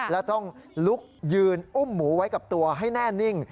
และต้องลุกยืนอุ้มหมูไว้กับตัวให้แน่นิ่ง